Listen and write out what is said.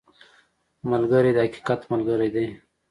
ملګری د حقیقت ملګری دی